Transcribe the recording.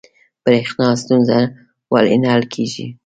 بریښنا ستونزه ولې نه حل کیږي؟